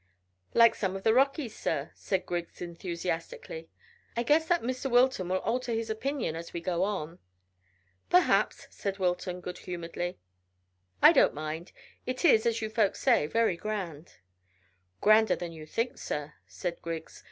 "Like some of the Rockies, sir," cried Griggs enthusiastically. "I guess that Mr Wilton will alter his opinion as we go on." "Perhaps," said Wilton good humouredly. "I don't mind. It is, as you folks say, very grand." "Grander than you think, sir," said Griggs.